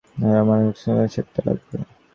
Aaron, আমার hexagonal সেটটা লাগবে।